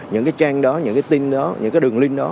những cái trang đó những cái tin đó những cái đường link đó